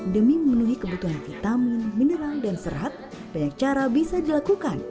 demi memenuhi kebutuhan vitamin mineral dan serat banyak cara bisa dilakukan